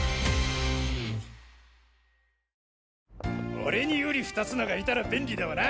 俺に瓜二つのがいたら便利だわな。